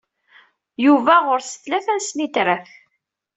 Yuba ɣur-s tlata n snitrat.